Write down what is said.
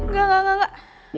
gak gak gak